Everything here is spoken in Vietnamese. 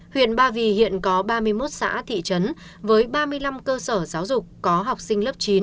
huyện ba vì hiện có ba mươi một xã thị trấn với ba mươi năm cơ sở giáo dục có học sinh lớp chín